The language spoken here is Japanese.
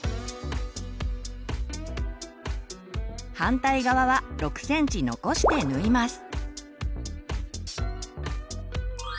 反対側は６ｃｍ残して縫います。